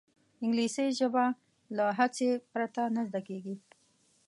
انګلیسي ژبه له هڅې پرته نه زده کېږي